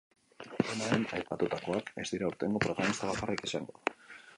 Dena den, aipatutakoak ez dira aurtengo protagonista bakarrak izango.